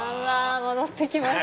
戻ってきました。